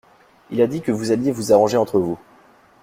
Il a dit que vous alliez vous arranger entre vous.